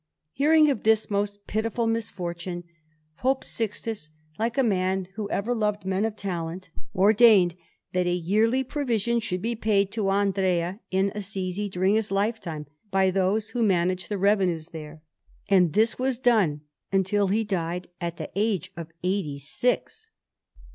Hearing of this most pitiful misfortune, Pope Sixtus, like a man who ever loved men of talent, ordained that a yearly provision should be paid to Andrea in Assisi during his lifetime by those who managed the revenues there; and this was done until he died at the age of eighty six.